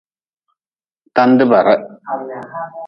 Tande ba reh.